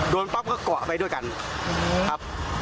ปั๊บก็เกาะไปด้วยกันครับ